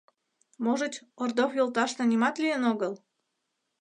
Можыч, Ордов йолташна нимат лийын огыл?